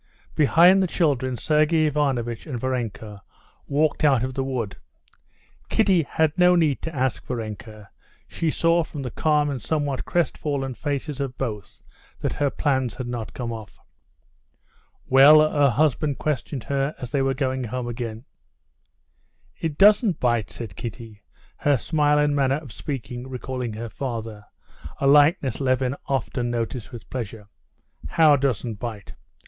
Behind the children Sergey Ivanovitch and Varenka walked out of the wood. Kitty had no need to ask Varenka; she saw from the calm and somewhat crestfallen faces of both that her plans had not come off. "Well?" her husband questioned her as they were going home again. "It doesn't bite," said Kitty, her smile and manner of speaking recalling her father, a likeness Levin often noticed with pleasure. "How doesn't bite?"